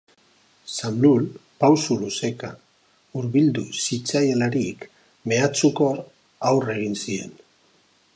Xamlul pausu luzeka hurbildu zitzaielarik, mehatxukor, aurre egin zien.